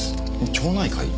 町内会？